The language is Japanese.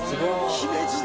姫路で？